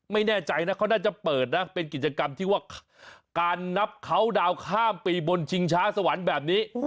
ไม่แน่ใจนะเขาน่าจะเปิดนะเป็นกิจกรรมที่ว่าการนับเขาดาวข้ามปีบนชิงช้าสวรรค์แบบนี้